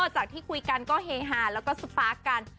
จากที่คุยกันก็เฮฮาแล้วก็สปาร์คกัน